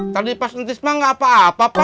tadi pas ngetis mah gak apa apa